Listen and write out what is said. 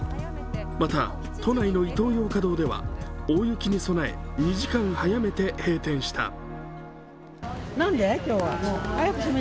また、都内のイトーヨーカドーでは大雪に備え、２時間早めて閉店した。